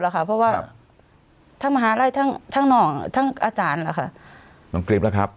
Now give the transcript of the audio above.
เราต้องกดเข้าของท่านครับ